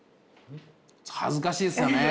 恥ずかしいですよね。